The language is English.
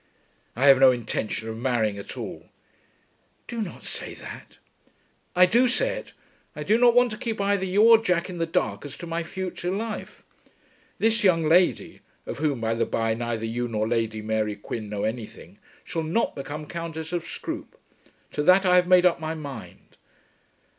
"I have no intention of marrying at all." "Do not say that." "I do say it. I do not want to keep either you or Jack in the dark as to my future life. This young lady, of whom, by the by, neither you nor Lady Mary Quin know anything, shall not become Countess of Scroope. To that I have made up my mind."